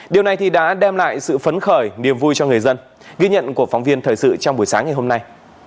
điều này thì đã đem lại sự phấn khởi niềm vui cho người dân ghi nhận của phóng viên thời sự trong buổi sáng ngày hôm nay